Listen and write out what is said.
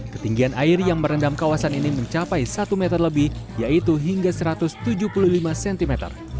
ketinggian air yang merendam kawasan ini mencapai satu meter lebih yaitu hingga satu ratus tujuh puluh lima cm